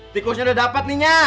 tikusnya udah dapet nih nya